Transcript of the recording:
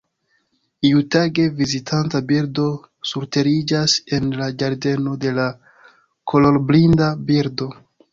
Iutage, vizitanta birdo surteriĝas en la ĝardeno de la kolorblinda birdo.